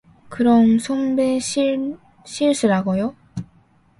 그럼 선배 실수라고요?